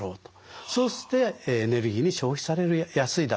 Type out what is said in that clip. そしてエネルギーに消費されやすいだろうと。